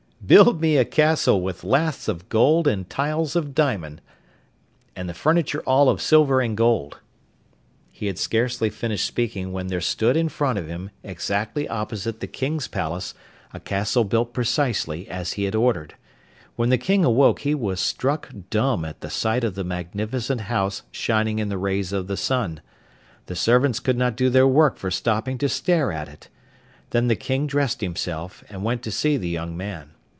'Build me a castle with laths of gold and tiles of diamond, and the furniture all of silver and gold.' He had scarcely finished speaking when there stood in front of him, exactly opposite the King's palace, a castle built precisely as he had ordered. When the King awoke he was struck dumb at the sight of the magnificent house shining in the rays of the sun. The servants could not do their work for stopping to stare at it. Then the King dressed himself, and went to see the young man.